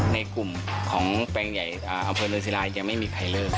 ในกลุ่มของแปลงใหญ่อำเภอเนินศิลายังไม่มีใครเลิก